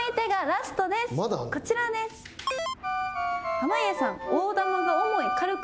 濱家さん。